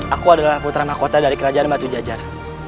aku adalah putra mahkota dari kerajaan batu jajar